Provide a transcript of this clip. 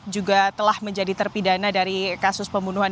juga telah menjadi terpidana dari kasus pembunuhan